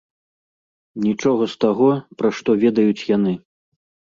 Нічога з таго, пра што ведаюць яны.